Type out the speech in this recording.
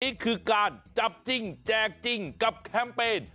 นี่คือการจับจริงแจกจริงกับแคมเปญ